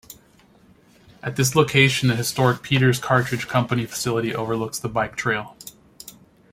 At this location the historic Peters Cartridge Company facility overlooks the bike trail.